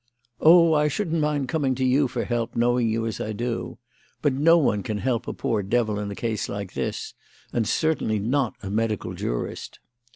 "Oh, I shouldn't mind coming to you for help, knowing you as I do. But no one can help a poor devil in a case like this and certainly not a medical jurist."